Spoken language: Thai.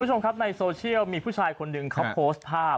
คุณผู้ชมครับในโซเชียลมีผู้ชายคนหนึ่งเขาโพสต์ภาพ